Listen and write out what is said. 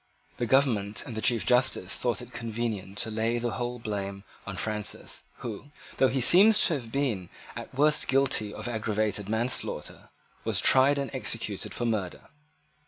The government and the Chief Justice thought it convenient to lay the whole blame on Francis, who; though he seems to have been at worst guilty only of aggravated manslaughter, was tried and executed for murder.